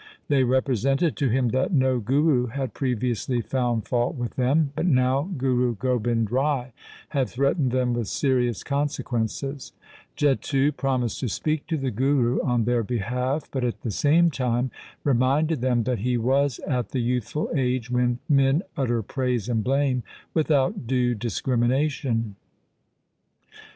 They represented to him that no Guru had previously found fault with them, but now Guru 1 Bhai Dit Singh's Durga Prabodh. LIFE OF GURU GOBIND SINGH 85 Gobind Rai had threatened them with serious conse quences. Chetu promised to speak to the Guru on their behalf, but at the same time reminded them that he was at the youthful age when men utter praise and blame without due discrimination.